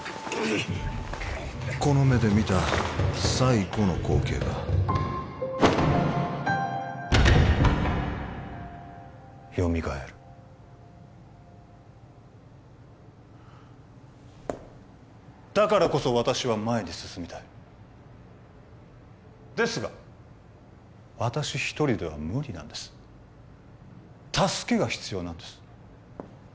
この目で見た最後の光景がよみがえるだからこそ私は前に進みたいですが私一人では無理なんです助けが必要なんです